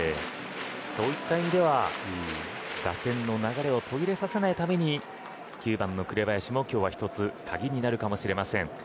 そういった意味では打線の流れを途切れさせないために９番の紅林も今日は１つ鍵になるかもしれません。